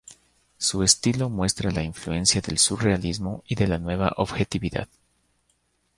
Su estilo muestra la influencia del surrealismo y de la nueva objetividad.